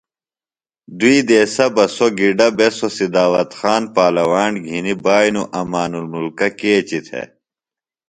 دوئی دیسہ بہ سوۡ گِڈہ بےۡ سو سِداوت خان پالواݨ گِھنیۡ بائنوۡ امان المُلکہ کیچیۡ تھےۡ